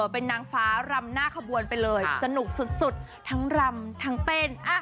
เป็นนางฟ้ารำหน้าขบวนไปเลยสนุกสุดทั้งรำทั้งเต้น